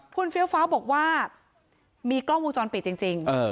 คุณเฟี้ยวฟ้าบอกว่ามีกล้องวงจรปิดจริง